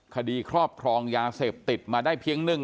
คดีครอบครองยาเสพติดมาได้เพียงหนึ่ง